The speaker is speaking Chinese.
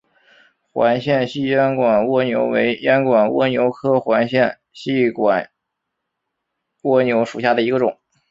环线细烟管蜗牛为烟管蜗牛科环线细烟管蜗牛属下的一个种。